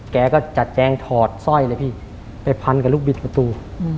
แกก็จัดแจงถอดสร้อยไปพันกับรุกฎประตู